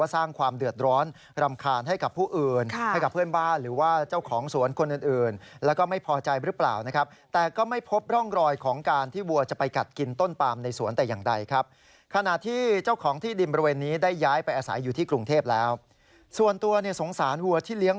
ส่วนตัวสงสารหัวที่เลี้ยงหวัง